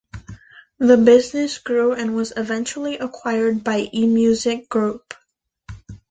The business grew and was eventually acquired by eMusic Group.